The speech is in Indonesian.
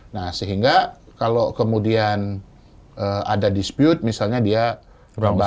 nah sehingga kalau kemudian ada dispute misalnya dia